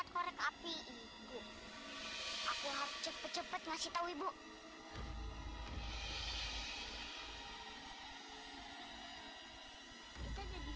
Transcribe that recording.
tidak kamu menurutku kamu jelek